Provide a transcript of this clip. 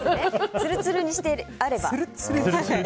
つるつるにしてあれば。